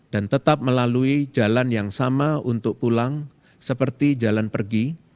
dan tetap melalui jalan yang sama untuk pulang seperti jalan pergi